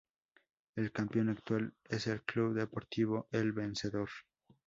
El campeón actual es el Club Deportivo El Vencedor.